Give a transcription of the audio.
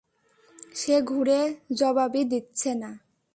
সে ঘুরে জবাবই দিচ্ছে না!